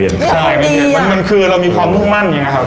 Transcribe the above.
ใช่มันคือเรามีความมุ่งมั่นอย่างนี้ครับ